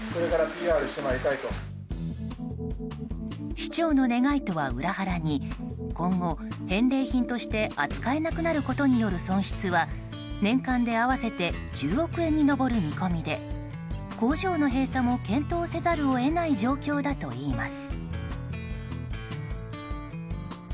市長の願いとは裏腹に今後、返礼品として扱えなくなることによる損失は年間で合わせて１０億円に上る見込みで工場の閉鎖も検討せざるを得ない状況だといいます。